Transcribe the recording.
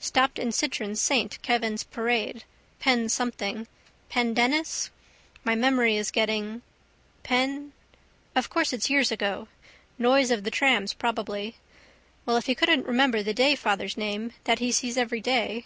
Stopped in Citron's saint Kevin's parade. Pen something. Pendennis? My memory is getting. Pen ...? Of course it's years ago. Noise of the trams probably. Well, if he couldn't remember the dayfather's name that he sees every day.